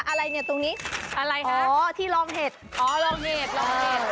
อะไรเนี่ยตรงนี้อ๋อที่ล้อมเห็ดอ๋อล้อมเห็ดล้อมเห็ด